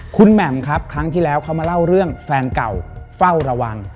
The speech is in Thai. คุณแหม่มครับครั้งที่แล้วเขามาเล่าเรื่องแฟนเก่าเฝ้าระวัง